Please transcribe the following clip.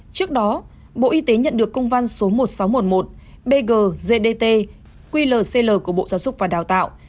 trước đó bộ y tế nhận được công văn số một nghìn sáu trăm một mươi một bgt qlcl của bộ giáo dục và đào tạo